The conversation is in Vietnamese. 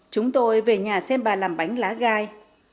chúng tôi về nhà xem bà làm bánh lá gai